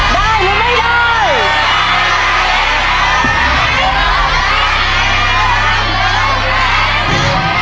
ได้หรือไม่ได้